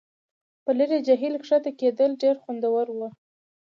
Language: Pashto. په لرې جهیل کښته کیدل ډیر خوندور وي